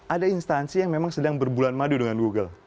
ada instansi yang memang sedang berbulan madu dengan google